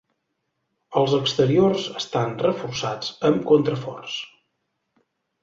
Els exteriors estan reforçats amb contraforts.